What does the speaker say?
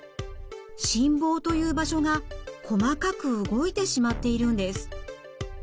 心房という場所が細かく動いてしまっているんです。